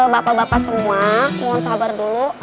bapak bapak semua mohon sabar dulu